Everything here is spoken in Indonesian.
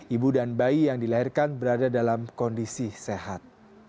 ibu dan bayi yang dilahirkan berada dalam kondisi sehat